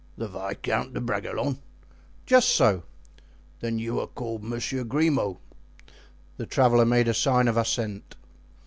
"The Viscount de Bragelonne? "Just so." "Then you are called Monsieur Grimaud?" The traveler made a sign of assent.